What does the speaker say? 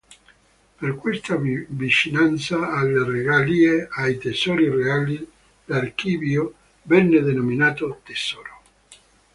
Per questa vicinanza alle "regalie", ai tesori reali, l'archivio venne denominato "tesoro".